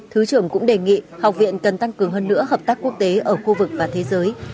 thứ trưởng cũng đề nghị học viện cần tăng cường hơn nữa hợp tác quốc tế ở khu vực và thế giới